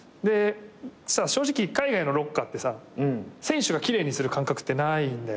そしたら正直海外のロッカーってさ選手が奇麗にする感覚ってないんだよ。